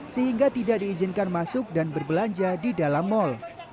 sehingga tidak diizinkan masuk dan berbelanja di dalam mal